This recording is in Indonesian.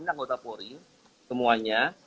ini anggota pori semuanya